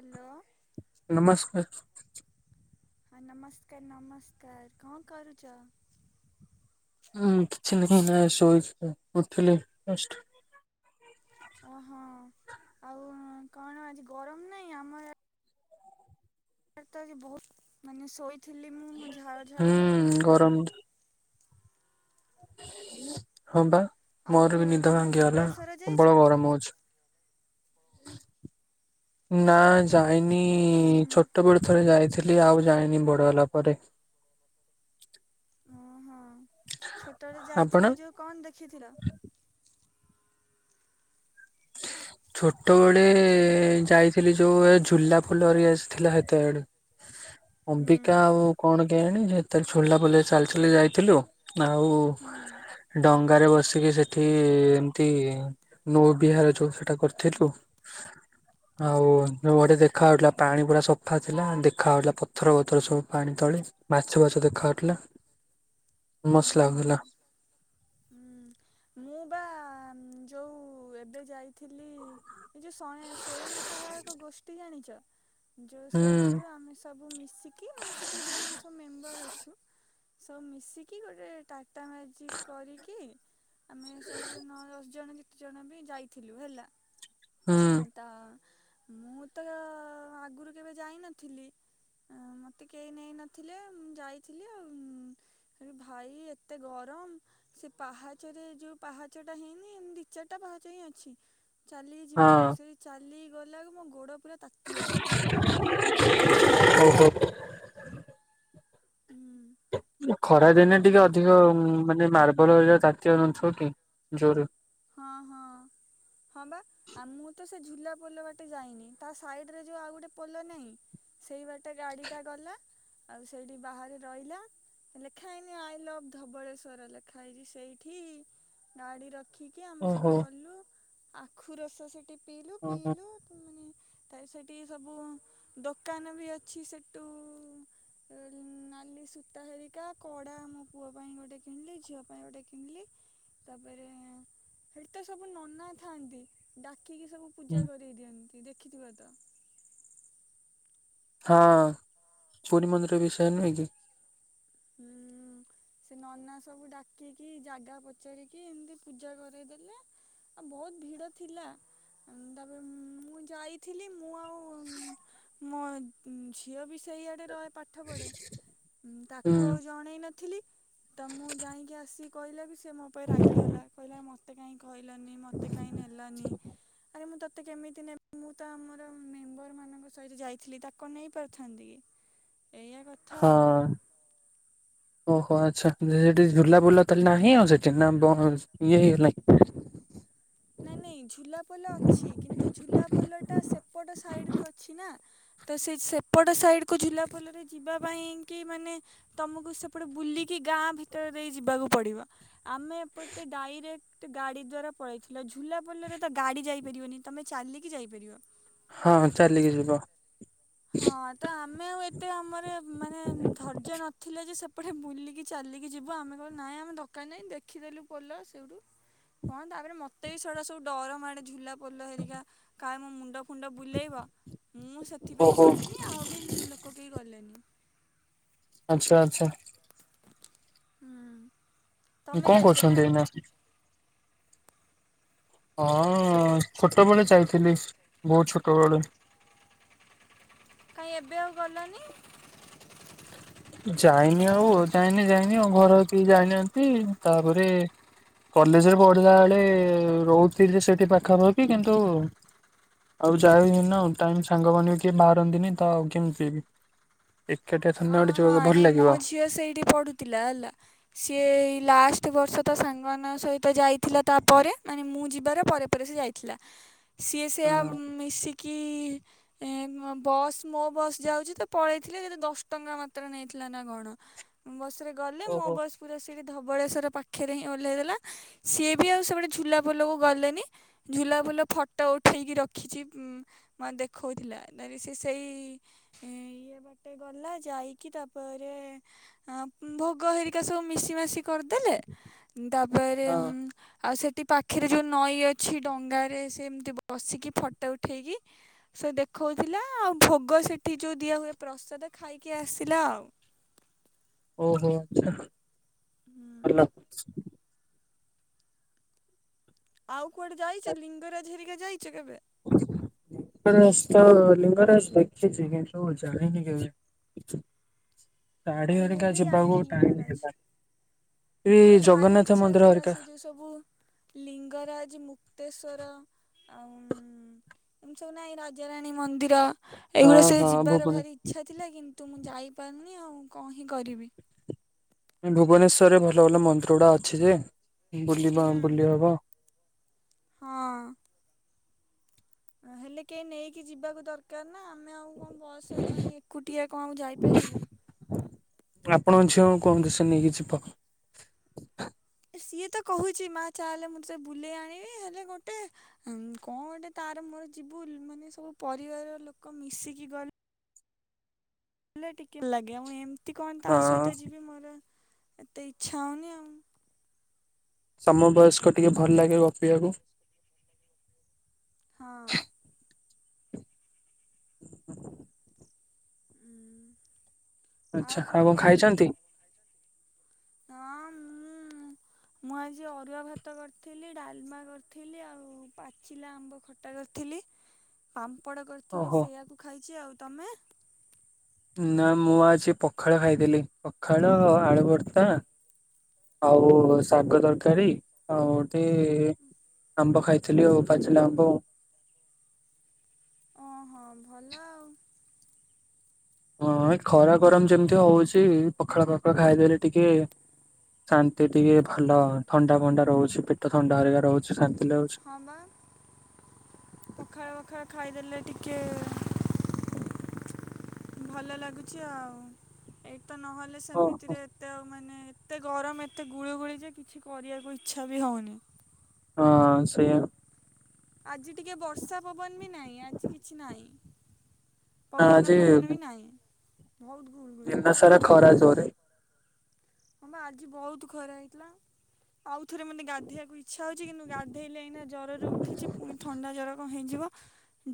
Hello [inaudible] ନମସ୍କାର। ହଁ ନମସ୍କାର ନମସ୍କାର କଣ କରୁଚ? ହଁ କିଛି ନାହିଁ ନାଇଁ ଶୋଇଥିଲି ଆଉ ଉଠିଲି ଯଷ୍ଟ୍। ଓହୋ ଆଉ କଣ ଆଜି ଗରମ ନାଇଁ ଆମର ଗାଁରେ [unintelligible] ତ ଆଜି ବୋହୁତ ମାନେ ସୋଇ ଥିଲି ମୁଁ ମୁଁ ଝାଳ ହୁଁ ଝାଳ ହେଇକି ଉଠି ଗରମ ଗଲି। ହଁ ପା। ଆଉ ମୋର ବି ନିଦ ତମେ ଭାଙ୍ଗିଗଲା ଧବଳେଶ୍ୱର ଯାଇଛ ପ୍ରବଳ ଗରମ ହୋଉଚି। ନାଁ ଯା ଇନି ହୁଁ ଛୋଟବେଳ ଥରେ ଯାଇଥି ଏ ଆଉ ଯାଇନି ବଡ ହେଲା ପରେ। ଛୋଟ ବେଳେ ଆପଣ? ଯାଇଥିଲ ଯୋଉ କଣ ଦେଖିଥିଲ? ଛୋଟବେଳେ ଯାଇଥିଲି ଯୋଉ ଏ ଝୁଲା ଫୋଲ ହେରିକା ଥିଲା ହେତେବେଳ। ହୁଁ ଅବିକା ଆଉ କଣ କେଇଆଣି ସେତେବେଳ ଝୁଲା ପୋଲରେ ଚାଲି ଚାଲି ଯାଇଥିଲୁ। ଆଉ ହୁଁ ଡଙ୍ଗ ଡ଼ଙ୍ଗା ରେ ବସିକି ସେଠି ଏମତି ନୌ ବିହାର ଯୋଉଠ କରିଥିଲୁ ଆଉ ଗୋଟେ ଦେଖା ଯାଉଥିଲା ପାଣି ସଫା ଥିଲା ଦେଖା ଯାଉଥିଲା ପଥର ବଥର ସବୁ ପାଣି ତଳେ ମାଛ ବାଛ ଦେଖା ଯାଉଥିଲା ମ ଓହୋ ଆଲାମିଲ ହୁଁ ମୁଁ ବା ଯୋଉ ଏବେ ଯାଇଥିଲି ଯୋଉ ସଙ୍ଗ୍ ସ୍ଵୟଂ ସହାୟକ ଗୋଷ୍ଠୀ ଜାଣିଚ? ଯୋଉ ହୁଁ ସେଇଥିରୁ ଆମେ ସବୁ ମିଶିକି ମାନେ ସେଥିରେ ଯୋଉ ମାନ ସବୁ ମେମ୍ବର ଅଛୁ ସବୁ ମିଶିକି ଗୋଟେ ଟାଟା ମେଜିକ୍ କରିକି ଆମେ ସବୁ ନ ଦଶ ଜଣ ଯେତେ ଜଣ ବି ଯାଇଥିଲୁ ହେଲା ହୁଁ ହଁ ତ ମୁଁ ତ ଆଗରୁ କେବେ ଯାଇ ନଥିଲି ଅଁ ମତେ କେହି ନେଇ ନଥିଲେ ମୁଁ ଯାଇଥିଲି ଆଉ ଉଁ ଭାଇ ଏତେ ଗରମ ସେ ପାହ ଚରେ ଯୋଉ ପାହାଚଟା ହେଇନି ଏମ୍ ଦି ଚାରଟା ପାହାଚ ହିଁ ଅଛି ଚାଲିକି ହଁ ଯିବାକୁ ସେଇ ଚାଲି ଗଲା କୁ ମୋ ଗୋଡ ପୁରା ତାତିଗଲା। ହଉ ହଉ। ହୁଁ ଖରାଦିନେ ତାପରେ ଟିକେ ଅଧିକ ମାନେ ମାର [unintelligible] କାଟିବା ଯନ୍ତ୍ର କି ଜୋରେ ହଁ ହଁ ହଁ ବା ଆ ମୁଁ ତ ସେ ଝୁଲା ପୋଲ ବାଟେ ଯାଇନି ତା ସାଇଡ ରେ ଯୋଉ ଆଉ ଗୋଟେ ପୋଲ ନାହିଁ ସେଇ ବା ଟରେ ଗାଡି ଟା ଗଲା ଆଉ ସେଇଠି ବାହାରେ ରହିଲା ଲେଖା ହେଇନି ଆଇ ଲଭ ଧବଳେଶ୍ଵର ଲେଖା ହେଇଛି ସେଇଠି ଗାଡି ର ଖିକି ଆମେ ସବୁ ଓହୋ ଗଲୁ। ଆଖୁ ରସ ସେ ଓ ହୋ। ତା ରେ ସେଠି ସବୁ ଦୋକାନ ବି ଅଛି ସେଠୁ ଉଁ ନାଲି ସୂତା ହେରିକା କଡା ମୋ ପୁଅ ପାଇଁ ଗୋଟେ କିଣିଲି ଝିଅ ପାଇଁ ଗୋଟେ କିଣିଲି ତାପରେ ସେଠି ତ ସବୁ ନନା ଥାଆନ୍ତି ଡା କି କି ସବୁ ହୁଁ ପୂଜା କରଇ ଦିଅନ୍ତି। ଦେଖିଥିବେ ତ। ହଁ ପୁରୀ ମନ୍ଦିର ରେ ବି ସେଇଆ ନୁହେଁ କି? ହୁଁ। ସେ ନନା ସବୁ ଡାକିକି ଜାଗା ପଚାରିକି ଏମତି ପୂଜା କରଇଦେଲେ ଆଉ ବହୁତ ଭିଡ ଥିଲା ତାପରେ ମୁଁ ଯାଇଥିଲି ମୁଁ ଆଉ ମୋ ଝିଅ ବି ସେଇଆଡେ ରଏ ପାଠ ପଢେ ହୁଁ ତାକୁ ଆଉ ଜଣେଇ ନଥିଲି ତ ମୁଁ ଯାଇଁ କି ଆସିକି କହିଲା ବିସ୍ ରେ ମୋ ଉପରେ ରାଗିଗଲା କହିଲା ମୋ ମୋତେ କାଇଁ କହିଲନି ମତେ କାହିଁ ନେଲନି ଆରେ ମୁଁ ତ ମତେ କେମିତି ନେ ମୁଁ ତ ଆମର ମେମ୍ବର ମାନଙ୍କ ସହିତ ଯାଇଥିଲି ତାକୁ କଣ ନେଇ ପାରିଥାନ୍ତି କି? ଏଇଆ କଥା ହଁ ଆଉ। ଓହୋ ଆଚ୍ଛା ସେଠି ଝୁଲା ପୋଲ ତ ନାହିଁ ଆଉ ସେଠି ନା ବ ଇଏ ହେଇଗଲାଣି। ନାଇଁ ନାଇଁ ଝୁଲାପୋଲ ଅଛି କିନ୍ତୁ ଝୁଲାପୋଲ ଟା ସେପଟ ସାଇଡ କୁ ଅଛି ନା ତ ସେ ସେପଟ ସାଇଡ କୁ ଝୁଲାପୋଲରେ ଯିବା ପାଇଁ କି ମାନେ ତମକୁ ସେପଟେ ବୁଲିକି ଗାଁ ଭିତରେ ଦେଇ ଯିବାକୁ ପଡିବ ଆମେ ଏପଟେ ଡାଇରେକ୍ଟ ଗାଡି ଦ୍ଵାରା ପଳେଇ ଥିଲ ଝୁଲା ପୋଲରେ ତ ଗାଡ଼ି ଯାଇପାରିବନି ତମେ ଚାଲିକି ଯାଇପାରିବ। ହଁ ଚାଲିକି ଯିବ। ହଁ ତ ଆମ ଆମେ ଆଉ ଏତେ ଆମର ମାନେ ଧୈର୍ଯ୍ୟ ନଥିଲେ ଯେ ସେପଟେ ବୁଲିକି ଚାଲିକି ଯିବୁ ଆମେ କହିଲୁ ନାଇଁ ଆମ ଦୋକାନ ନାହିଁ ଦେଖିଦେଲୁ ପୋଲ ସେଇଠୁ କଣ ତାପରେ ମୋତେ ବି ସେଡ଼ା ସବୁ ଡର ମାଡ଼େ ଝୁଲା ପଲ ହେରଗା। କାୟମମ ମୁଣ୍ଡ ଣ୍ଡ ବୁଲେଇବ ମୁଁ ସେ ପାଇଁ ଓହୋ ଗଲିଣିି ଆଉ ବି ଲୋକ କେହି ଗଲେ କିଲନି? ଆଚ୍ଛା ଆଚ୍ଛା। ହୁଁ। ତମେ କଣ ଯାଇଛ ନା କରୁଛନ୍ତି ଏଇନା? ହଁ ଛୋଟବେଳେ ଯାଇଥିଲି ବହୁତ ଛୋଟବେଳେ। କାଇଁ ଏବେ ଆଉ ଗଲନି? ଯାଇନି ଆଉ ଯାଇନି ଯାଇନି ଆଉ ଘର କେହି ଯାଇନାହାନ୍ତି ତାପରେ କଲେଜରେ ପଢିଲା ବେଳେ ରହୁଥିଲ ଯେ ସେଠି ପାଖାପାଖି କିନ୍ତୁ ଆଉ ଯାଇନି ନା ଟାଇମ ସାଙ୍ଗ ମ କିଏ ବାହାରନ୍ତିନି ତ ଆଉ କେମିତିବି। ଅ ହଁ ନାଇଁ ମୋ ଝିଅ ସେଇଠି ପଡୁଥିଲା ହେଲା ସିଏ ଲାଷ୍ଟ ପ୍ରତି ବର୍ଷ ତା ସାଙ୍ଗମାନଙ୍କ ସହିତ ତ ଯାଇଥିଲା ତାପରେ ମାନେ ମୁଁ ଯିବି ପରେ ପରେ ସେ ଯାଇଥିଲା ସିଏ ସେ ଆ ହଁ ମିଶିକି କି ବସ୍ ମୋ ବସ୍ ଯାଉଛି ତ ପଳେଇଥିଲେ ଯଦି ଦଶ ଟଙ୍କା ମାତ୍ର ନେଇଥିଲା ନା କଣ ବସରେ ଗଲେ ମୋ ଓହୋ ବସ ପୁରା ସେଠି ଧବଳେଶ୍ଵର ପାଖରେ ହିଁ ଓହ୍ଲାଇ ଦେଲା ସିଏ ବି ଆଉ ସେ ଗଟେ ଝୁଲାପୁଲକୁ ଗଲେନି ଝୁଲା ପୁଲ ଫଟୋ ଉଠେଇକି ରଖିଛି ଦେଖଉଥିଲା ସେ ସେଇ ଇଏ ବାଟେ ଗଲା। ଯାଇକି ତାପରେ ଭୋଗ ହେରିକା ସବୁ ମିଶି ମାସି କରିଦେଲେ ତାପରେ ହଁ ଆଉ ସେ ସେ ପାଖରେ ଯୋଉ ନଈ ଅଛି ଡଙ୍ଗାରେ ସେ ଏମିତି ବସିକି ଫଟୋ ଉଠେଇକି ସେ ଦେଖଉଥିଲା ଆଉ ଭୋଗ ସେଠି ଯୋଉ ଦିଆ ହୁଏ ପ୍ରସାଦ ଖାଇକି କିଏ ଆସିଲା ଆଉ ଓହୋ ଚ୍ଛା ହୁଁ ଭଲ ଆଉ କୁଆଡେ ଯାଇଛ ଲିଙ୍ଗରାଜ ରା ଝରି ଯାଇଛ କେବେ? ଲିବରାସ ତ ଲିଙ୍ଗରାଜ ଦେଖିଛି କି ତୁ ଜାଣିନି କେବେ। ଶାଢୀ ମୁଁ ଅରିକା ବି ଯିବାକୁ ଯାଇନି ଟାଇମ୍ ଲିଙ୍ଗରାଜ। ହେଲା। ମୋର ଭାରି ଇଚ୍ଛା ଥିଲା ସେ ଯୋଉ ସବୁ ଲିଙ୍ଗରାଜ ମୁକ୍ତେଶ୍ଵର ଆଉ ଏମତି ସବୁ ନାହି ରାଜାରାଣୀ ମନ୍ଦିର ହଁ ଏଇଗୁଡା ସ ହଁ ଯିବାର ଭୁବନେ ଭାରି ଇଚ୍ଛା ଥିଲା କିନ୍ତୁ ମୁଁ ଯାଇ ପାରନି ଆଉ କହିଁ କରିବି ଭୁବନେଶ୍ୱର ରେ ଭଲ ଭଲ ମନ୍ଦିର ଗୁଡା ଅଛି ଯେ ବୁଲିବା ହୁଁ ବୁଲି ହବ। ହଁ। ହେଲେ କେହି ନେଇକି ଯିବାକୁ ଦରକାର ନା ନା ଆମେ ଆଉ କଣ ବସ ହେଲାଣି ଏକୁଟିଆ କଣ ଆଉ ଯାଇପାରିବୁ। ଅ କଣ ଦଶ ନେଇକି ଯିବ ସିଏ ତ କହୁଛି ମା ଚାହେଲେ ମୁଁ ତେ ବୁଲେଇ ଆଣିବି ହେଲେ ଗୋଟେ କଣ ଗୋଟେ ତାର ମୋର ଯିବୁ ମାନେ ସବୁ ପରିବାର ଲୋକ ମିଶିକି ଗଲେ ଲେ ଟିକେ ଲଗେ ମୁଁ ଏମତି ତି କଣ ତା ହଁ ସହିତ ଯିବି ମୋର ଏତେ ଇଚ୍ଛା ହଉନି ଆଉ। ସମ ବୟସ୍କ ଟିକେ ଭଲ ଲାଗେ ଗପିବାକୁ ହଁ। [inaudible] ଆଉ କଣ କରୁଛ ହଁ। ଁ ମୁଁ ଆଜି ଅରୁଆ ଭାତ କରିଥିଲି ଡାଲମା କରିଥିଲି ଆଉ ପାଚିଲା ଆମ୍ବ ଖଟା କରିଥିଲି। କପଡ଼ କରିଥିଲି ଓହୋ ସେଇଆକୁ ଖାଇଛି ଆଉ। ତମେ ନା ମୁଁ ଆଜି ପଖାଳ ଖାଇଥିଲି ପଖାଳ ଆଳୁ ଭର୍ତା ଆଉ ଶାଗ ତରକାରୀ ଆଉ ଗଠେ ଆମ୍ବ ଖାଇଥିଲି ଆଉ ପାଚିଲ ଆମ୍ବ ଓ ହଁ ଭଲ ଆଉ। ହଁ ଏ ଖରା ଗରମ ଯେମିତି ହଉଛି ପଖଳ ଫଖଳ ଖାଇଦେଲେ ଟିକେ ଶାନ୍ତି ଟିକେ ଭଲ ଥଣ୍ଡା ଫଣ୍ଡା ରହୁଛି ପେଟ ଥଣ୍ଡା ହେରିକା ରହୁଛି ଶାନ୍ତି। ଲାଗୁଛି ହଁ ବା ପଖର ପାଖରା ଖାଇଦେଲେ ଟିକେ ଭଲ ଲାଗୁଛି ଆଉ ଏଇ ତ ନହେଲେ ହଁ ସେମିତିରେ ଏତେ ଆଉ ମାନେ ଏତେ ଗରମ ଏତେ ଗୁଳିୁ ଗୁଳି ଯେ କିଛି କରିବାକୁ ଇଚ୍ଛା ବି ହଉନି। ହଁ ସେଇଆ। ଆଜି ଟିକେ ବର୍ଷା ପବନ ବି ନାହିଁ ଆଜି କିଛି ନାହିଁ। ପବନ ପବନ ବି ନାହିଁ। ବହୁତ ଗୁଳୁଗୁଳି ଜନା ସାରା ଖରା ଜୋରେ ହ ଆଜି ବହୁତ ଖରା ହେଇଥିଲା ଆଉ। ଥରେ ମୋତେ ଗାଧୋଇବାକୁ ଇଚ୍ଛା ହେଉଛି କିନ୍ତୁ ଗାଧୋଇଲେ ଏଇନା ଜ୍ୱରରୁ ଉଠିଛି ପୁ ଥଣ୍ଡା ଜ୍ୱର କଣ ହେଇଯିବ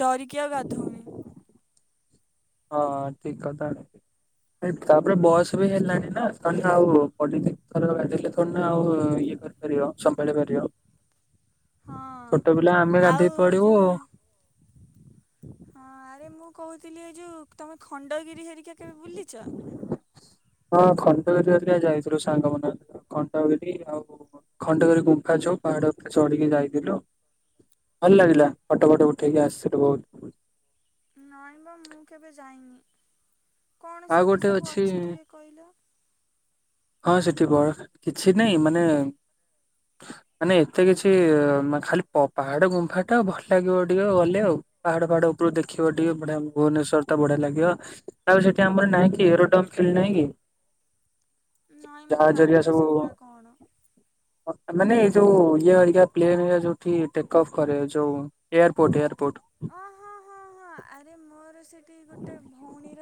ଡରିକି ଆଉ ଗାଧଉନି। ହଁ ଠିକ କଥା ତାପରେ ବସ ବି ହେଲାଣି ନା ତାଲେ ଆ ଥର ବାେ ଥ ଆଉ ଇଏ କରିପାରିବ ସମ୍ଭାଳି ପାରିବ। ଛୋଟ ପିଲା ଆମେ ହଁ ଆଉ ଗାଧୋଇ ପଡିବୁ ଯେଉଁ ଆ ହଁ ଆରେ ମୁଁ କହୁଥିଲି ଏ ଯୋଉ ତମେ ଖଣ୍ଡ କି ହଁ ଖଣ୍ଡଗିରିିକ ଯାଇଛି। ଥିଲ ସାଙ୍ଗମାନେ ଖଣ୍ଡଗିରି ଆଉ ଖଣ୍ଡଗିରି ଗୁଫା ଯଉ ପାହାଡ ଉପରେ ଚଢିକି ଯାଇଥିଲୁ ଭଲ ଲାଗିଲା ଫଟୋ ଫଟ ଉଠେଇକି ଆସିଥିଲୁ ବହୁତ ନାଇଁ ବା ମୁଁ କେବେ ଯାଇନି। କଣ ଆଉ ସେଠି ଗୋଟେ ସବୁ ଅଛି ଟିକେ କହିଲ। ହଁ ସେଠି କିଛି ନାଇଁ ମାନେ ମାନେ ଏତେ କିଛି ଖାଲି ପାହାଡ ଗୁମ୍ଫା ଟା ଭଲ ଲାଗିବ ଟିକେ ଗଲେ ଆଉ ପାହାଡ ଫାଡ ଉପରୁ ଦେଖିବ ଟିକେଢ ଭୁବନେଶ୍୍ୱର ଟା ବଢିଆ ଲାଗିବ ତା ସେଠି ଆମର ନହିଁ କି ଏରୋଡ ଫିଲ୍ ନାଇଁ କି ନାଇଁ ମୁଁ ଜାହାଜ ହେରିକା ଜାଣିନି ସବୁ ସେଗୁଡା କଣ ମାନେ ଏଇ ଯୋଉ ଇଏା ପ୍ଲେନ ଯୋଉଠି ଟେକ୍ ଅଫ୍ କରେ ଯୋଉ ଏୟାରପୋର୍ଟ ଏୟାରପୋର୍ଟ ଓ ହଁ ହଁ ଆରେ ମୋର ସେଠ ସେ ଗୋଟେ ଭଉଣୀର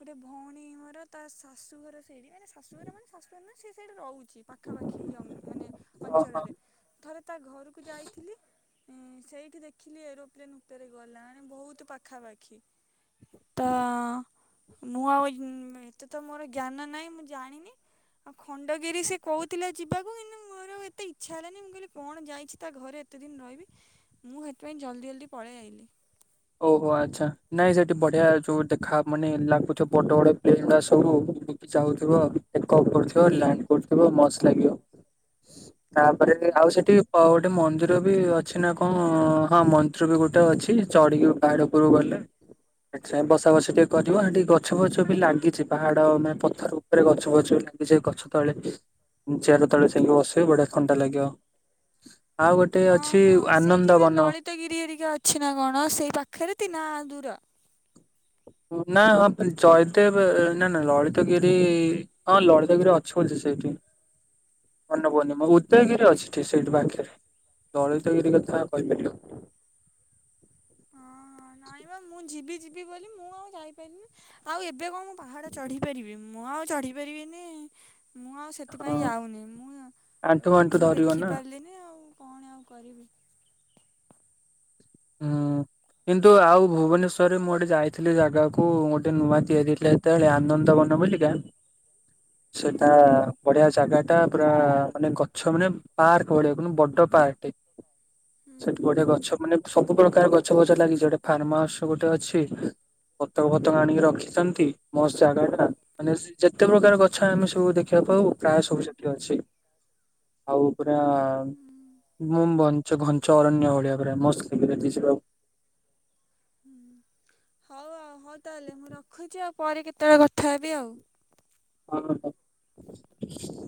ଗୋଟେ ଭଉଣୀ ମୋର ତା ଶାଶୁଘର ସେଇଠ ମାନେ ଶାଶୁଘର ମାନେ ଶାଶୁଘର ନହଁ ସେ ସେଇଠ ରହୁଛି। ପାଖାପାଖି ମାନେ ଅଞ୍ଚଳରେ ଥରେ ତା ଘରକୁ ଯାଇଥିଲି। ସେଇଠି ଦେଖିଲି ଏରୋପ୍ଲେନ ଉପରେ ଗଲା ବହୁତ ପାଖାପାଖି ତ ମୁଁ ଆଉ ଏତେ ତ ମୋର ଜ୍ଞାନ ନାହିଁ ମୁଁ ଜାଣିନି ଆଉ ଖଣ୍ଡଗିରି ସେ କହୁଥିଲା ଯିବାକୁ କିନ୍ତୁ ମୋର ଏତେ ଇଚ୍ଛା ହେଲାନି ମୁଁ କହିଲି କଣ ଯାଇଛି ତା ଘରେ ଏତେ ଦିନ ରହିବି ମୁଁ ସେଥିପାଇଁ ଜଲ୍ଦି ଜଲ୍ଦି ପଳେଇ ଆାଇଲି ଓହୋ ଆଚ୍ଛା ନାଇଁ ସେଠି ବଢିଆ ଯୋଉ ଦେଖା ମାନେ ଲାଗୁଥିବ ବଡ ବଡ ପ୍ଲେନ ଗା ସବୁ ଯାଉଥିବପ୍ କରୁଥିବ ଲ୍ୟାଣ୍ଡ କରୁଥିବ ମସ୍ତ ଲାଗିବ ତାପରେ ଆଉ ସେଠି ଗୋଟେ ମନ୍ଦିର ବି ଅଛି ନା କଣ ହଁ ମନ୍ଦିର ବି ଗୋଟେ ଅଛି। ଚଢିକି ପାହାଡ ଉପରୁକୁ ଗଲେ ବସା ବସ ଟିକେ କରିବ ଆ ଟିକେ ଗଛ ବଛ ବି ଲାଗିଛି ପାହାଡ ମାନେ ପଥର ଉପରେ ଗଛ ବଛ ଲାଗିଛି ଗଛ ତଳେ ଚେର ତଳେ ଯାଇକି ବସିବେ ବଢିଆ ଥଣ୍ଡା ଲାଗିବ। ଆଉ ଗୋଟେ ଅଛି ଅହଁ ସେଇଠି ବି ଆନନ୍ଦବନ ଲଳିତଗିରି ହରିକା ଅଛି ନା କଣ ସେଇ ପାଖ୍ ଖରତି ନା ଦୂର। ନା ହଁ ଜୟଦେବ ନା ନା ଲଳିତଗିରି ହଁ ଲଳିତଗିରି ଅଛି ବୋଲି ସେଇଠି ଅନପୂର୍ଣ୍ଣିମା ଉଦୟଗିରି ଅଛି ସେଠି ପାଖରେ ଲଳିତଗିରି କଥା କହିପାରିବିନି। ହଁଁ ନାଇଁ ବା ମୁଁ ଯିବି ଯିବି ବୋଲି ମୁଁ ଆଉ ଯାଇପାରିନି ଆଉ ଏବେ କଣ ପାହାଡ଼ ଚଢ଼ିପାରିବି ମୁଁ। ମୁଁ ଆଉ ଚଢି ପାରିବିନି। ମୁଁ ଆଉ ହଁ ସେଥିପାଇଁ ଯାଉନି। ଆଣ୍ଠୁ ଆଣ୍ଠୁ ଧରିବ ନା। କଣ ଆଉ କରିବି? ଉଁ କିନ୍ତୁ ଆଉ ଭୁବନେଶ୍ଵରରେ ମୁଁ ଗୋଟେ ଯାଇଥିଲି ଜାଗାକୁ ଗୋଟେ ନୂଆ ତିଆରି ହେଇଥିଲା ସେତେବେଳେ ଆନନ୍ଦବନ ବୁଲିକା ହୁଁ। ସେଟା ବଢିଆ ଜାଗା ଟା ପୁରା ମାନେ ଗଛ ମାନେ ପାର୍କ ଭଳିଆ ବଡ ପାର୍କ ସେଠି ବଢିଆ ଗଛ ମାନେ ସବୁ ପ୍ରକାର ଗଛ ଫଛ ଲାଗିଚି ଗୋଟେ ଫାର୍ମ ହାଉସ ଗୋଟେ ଅଛି ପତଙ୍ଗ ଫତଙ୍ଗ ଆଣିକି ରଖିଚନ୍ତି ମସ୍ତ ଜାଗା ଟା ମାନେ ଯେତେ ପ୍ରକାର ଗଛ ଆମେ ସବୁ ଦେଖିବାକୁ ପାଉ ପ୍ରାୟ ସବୁ ସେଠି ଅଛି ଆଉ। [unintelligible] ମୁଁ ଘଞ୍ଚ ଅରଣ୍ୟ ଭଳିଆ ପୁରା ମସ୍ତ [unintelligible] ହଉ ଆଉ। ହଉ ତାହେଲେ ମୁଁ ରଖୁଚି ଆଉ। ପରେ କେତେବେଳେ କଥା ହେବି ଆଉ। [unintelligible]